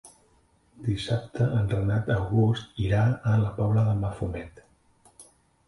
Dissabte en Renat August irà a la Pobla de Mafumet.